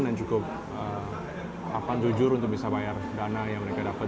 dan cukup jujur untuk bisa bayar dana yang mereka dapat